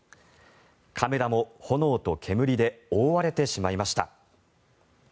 カメラも炎と煙で覆われてしまいました。